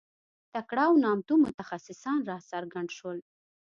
تکړه او نامتو متخصصان راڅرګند شول.